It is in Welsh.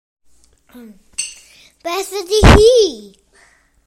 Beth ydy hi?